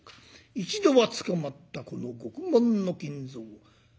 一度は捕まったこの獄門の金蔵